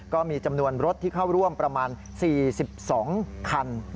ก็มีจำนวนรถที่เข้าร่วมประมาณ๔๒คัน